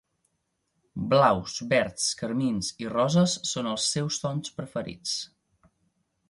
Blaus, verds, carmins i roses són els seus tons preferits.